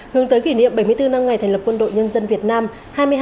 hướng tới kỷ niệm bảy mươi bốn năm ngày thành lập quân đội nhân dân việt nam